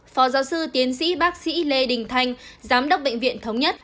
phó giáo sư tiến sĩ bác sĩ lê đình thanh giám đốc bệnh viện thống nhất